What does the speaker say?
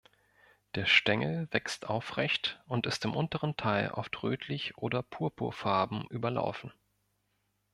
Der Stängel wächst aufrecht und ist im unteren Teil oft rötlich oder purpurfarben überlaufen.